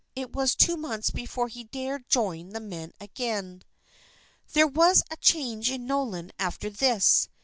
It was two months before he dared join the men again. There was a change in Nolan after this.